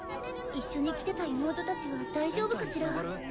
一緒に来てた妹たちは大丈夫かしら？